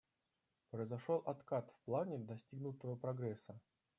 Произошел откат в плане достигнутого прогресса.